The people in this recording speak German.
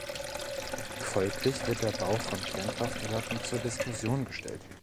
Folglich wird der Bau von Kernkraftwerken zur Diskussion gestellt.